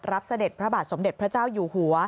เสด็จพระบาทสมเด็จพระเจ้าอยู่หัว